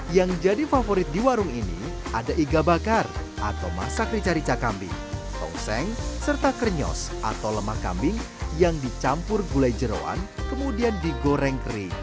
yang jadi favorit di warung ini ada iga bakar atau masak rica rica kambing tongseng serta krenyos atau lemak kambing yang dicampur gulai jerawan kemudian digoreng kering